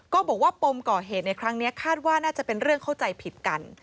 ก็บอกว่าปมก่อเหตุในครั้งนี้คาดว่าน่าจะเป็นเรื่องเข้าใจผิดกัน